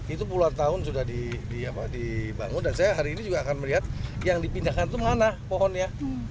itu puluhan tahun sudah dibangun dan saya hari ini juga akan melihat yang dipindahkan itu mana pohonnya